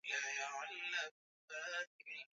wakti kule afrika ya kati ni saa kumi na moja